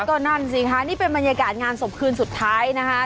ก็นั่นสิคะนี่เป็นบรรยากาศงานศพคืนสุดท้ายนะคะ